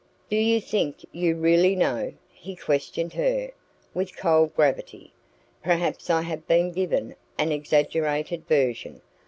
"Do you think you really know?" he questioned her, with cold gravity. "Perhaps I have been given an exaggerated version.